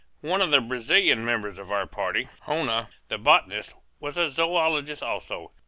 One of the Brazilian members of our party, Hoehne, the botanist, was a zoologist also.